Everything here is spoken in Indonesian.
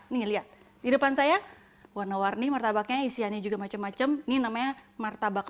nih lihat di depan saya warna warni martabaknya isiannya juga macam macam ini namanya martabak